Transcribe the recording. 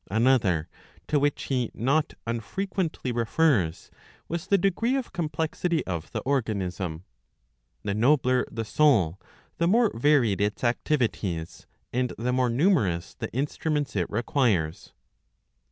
Another, to which he not unfrequently refers, was the dj ggree of complexity of the organism. The nobler the soul the more varied its activities, and the more numerous the instruments it requires.